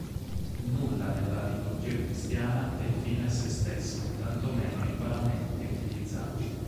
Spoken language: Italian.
Nulla nella Liturgia cristiana è fine a se stesso, tanto meno i paramenti utilizzati.